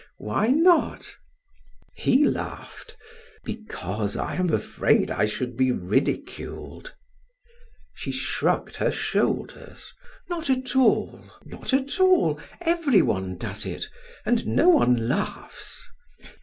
"Why not?" He laughed. "Because I am afraid I should be ridiculed." She shrugged her shoulders. "Not at all not at all. Everyone does it, and no one laughs.